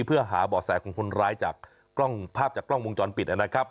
เพื่อหาบ่อแสของคนร้ายจากกล้องภาพจากกล้องวงจรปิดนะครับ